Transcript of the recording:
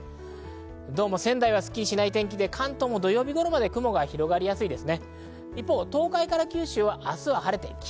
仙台はすっきりしない天気で関東も土曜日頃までは雲が広がりそうです。